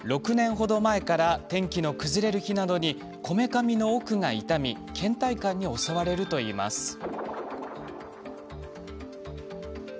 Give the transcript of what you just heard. ６年ほど前から天気の崩れる日などにこめかみの奥が痛みけん怠感に襲われるといいます。